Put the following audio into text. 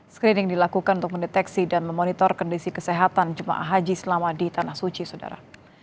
screening dilakukan untuk mendeteksi dan memonitor kondisi kesehatan jemaah haji selama di tanah suci saudara